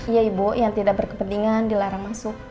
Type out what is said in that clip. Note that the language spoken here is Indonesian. iya ibu yang tidak berkepentingan dilarang masuk